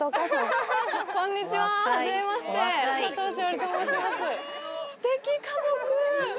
こんにちははじめまして佐藤栞里と申します。